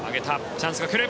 チャンスが来る。